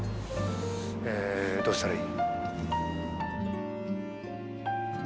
えどうしたらいい？